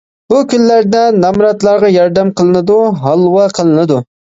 بۇ كۈنلەردە نامراتلارغا ياردەم قىلىنىدۇ، ھالۋا قىلىنىدۇ.